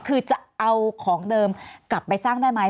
คือจะเอาของเดิมกลับไปสร้างได้ไหม